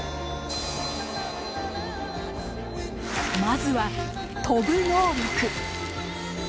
まずは飛ぶ能力。